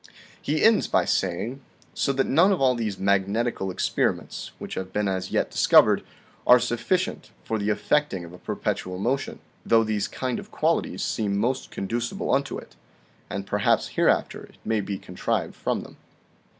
He ends by saying :" So that none of all these magnetical experiments, which have been as yet discovered, are sufficient for the effecting of a perpetual motion, though these kind of qualities seem most conduci ble unto it, and perhaps hereafter it may be contrived from them."